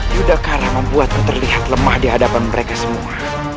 yudhakara membuatku terlihat lemah di hadapan mereka semua